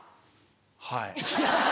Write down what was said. はい。